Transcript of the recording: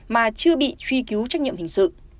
mà chưa bị truy cứu trách nhiệm hình sự